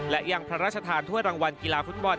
และยังพระราชทานถ้วยรางวัลกีฬาฟุตบอล